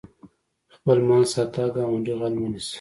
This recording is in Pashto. خپل مال ساته ګاونډي غل مه نیسه